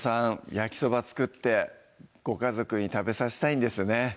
焼きそば作ってご家族に食べさせたいんですね